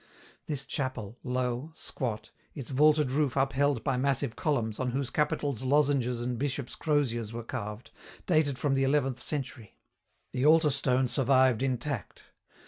This chapel, low, squat, its vaulted roof upheld by massive columns on whose capitals lozenges and bishop's croziers were carved, dated from the eleventh century. The altar stone survived intact.